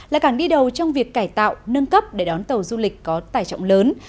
là cảng đi đầu trong việc cải tạo nâng cấp để đón tàu du lịch có tài trọng lớn